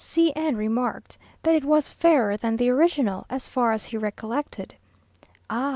C n remarked that it was fairer than the original, as far as he recollected. "Ah!"